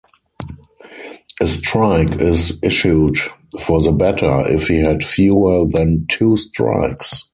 A strike is issued for the batter if he had fewer than two strikes.